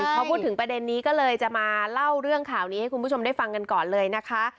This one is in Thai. พอพูดถึงประเด็นนี้ก็เลยจะมาเล่าเรื่องข่าวนี้ให้คุณผู้ชมได้ฟังกันก่อนเลยนะคะ